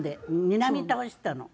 卒倒したの？